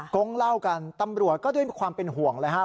กงเล่ากันตำรวจก็ด้วยความเป็นห่วงเลยครับ